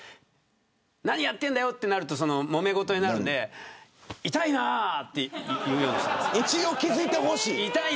何やってんだよとなるともめ事になるんで痛いなと言うようにしています。